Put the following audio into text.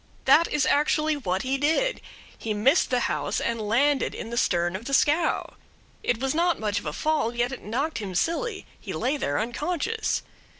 That is actually what he did. He missed the house, and landed in the stern of the scow. It was not much of a fall, yet it knocked him silly. He lay there unconscious.